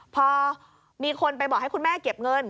พอมีคนไปบอกให้คุณแม่เก็บเงิน